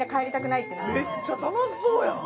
めっちゃ楽しそうやん！